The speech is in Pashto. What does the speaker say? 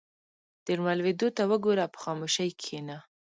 • د لمر لوېدو ته وګوره او په خاموشۍ کښېنه.